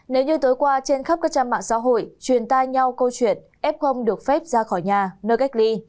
nếu như tối qua trên khắp các trang mạng xã hội truyền tay nhau câu chuyện f được phép ra khỏi nhà nơi cách ly